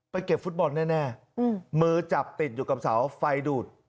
เก็บฟุตบอลแน่มือจับติดอยู่กับเสาไฟดูด